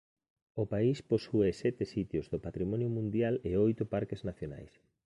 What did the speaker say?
O país posúe sete sitios do Patrimonio Mundial e oito parques nacionais.